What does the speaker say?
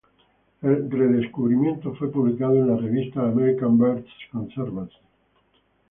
El redescubrimiento fue publicado en la revista American Birds Conservancy.